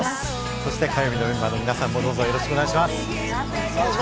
火曜日のメンバーの皆さんもどうぞよろしくお願いします。